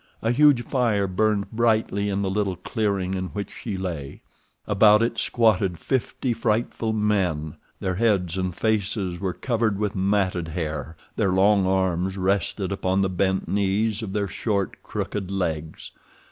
A huge fire burned brightly in the little clearing in which she lay. About it squatted fifty frightful men. Their heads and faces were covered with matted hair. Their long arms rested upon the bent knees of their short, crooked legs.